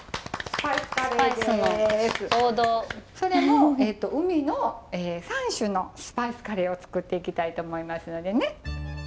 それも海の３種のスパイスカレーを作っていきたいと思いますのでね。